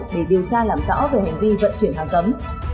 để điều tra làm rõ về hành vi vận chuyển hàng cấm